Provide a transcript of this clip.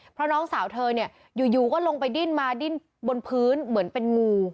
เพราะน้องสาวเธอเนี่ยอยู่ก็ลงไปดิ้นมาดิ้นบนพื้นเหมือนเป็นงู